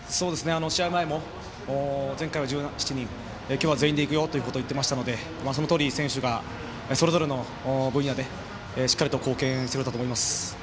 試合前も前回は１８人今日は全員で行くよってそのとおり選手がそれぞれの分野でしっかりと貢献してくれたと思います。